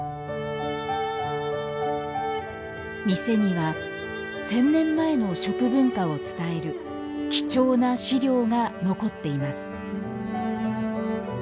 店には１，０００年前の食文化を伝える貴重な資料が残っています